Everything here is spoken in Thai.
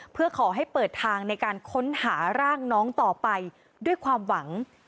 เพื่อขอให้เปิดทางในการค้นหาร่างน้องต่อไปด้วยความหวัง